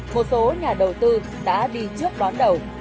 một số nhà đầu tư đã đi trước đón đầu